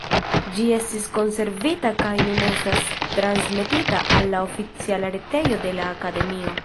Ĝi estis konservita kaj nun estas transmetita al la oficiala retejo de la Akademio.